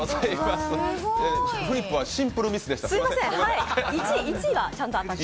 フリップはシンプルミスでした。